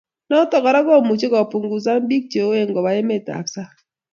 Nitok kora komuchi kopunguzan piik che uoe koba emet ab sang